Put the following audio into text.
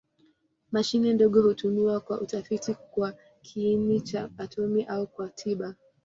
Mashine ndogo hutumiwa kwa utafiti kwa kiini cha atomi au kwa tiba.